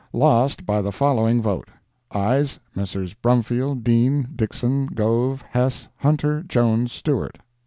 Lost, by the following vote: AYES—Messrs. Brumfield, Dean, Dixson, Gove, Hess, Hunter, Jones, Stewart—9.